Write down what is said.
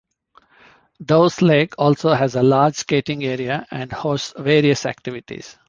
Dow's Lake also has a large skating area and hosts various activities.